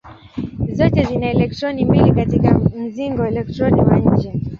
Zote zina elektroni mbili katika mzingo elektroni wa nje.